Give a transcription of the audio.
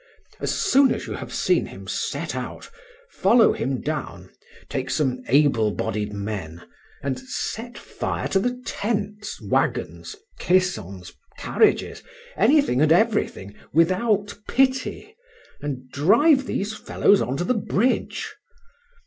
As soon as you have seen him set out, follow him down, take some able bodied men, and set fire to the tents, wagons, caissons, carriages, anything and everything, without pity, and drive these fellows on to the bridge.